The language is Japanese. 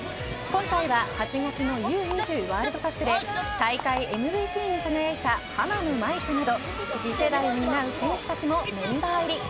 今回は８月のＵ２０ワールドカップで大会ＭＶＰに輝いた浜野まいかなど次世代を担う選手たちのメンバー入り。